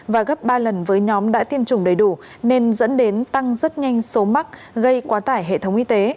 và gấp ba lần với nhóm đã tiêm chủng đầy đủ nên dẫn đến tăng rất nhanh số mắc gây quá tải hệ thống y tế